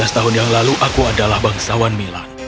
dua belas tahun yang lalu aku adalah bangsawan mila